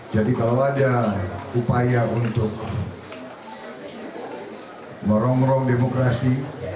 jadi kalau ada upaya untuk merongrong demokrasi